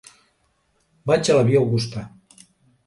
Vaig a la via Augusta.